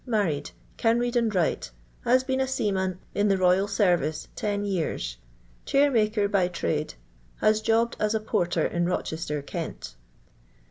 Married. Can read and write. Haa be«i a Ml' n Mil in the royal terrice ten yean. Chairmaker by trade. Has jobbed as a porter in Bochester, Kent.